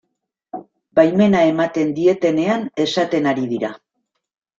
Baimena ematen dietenean esaten ari dira.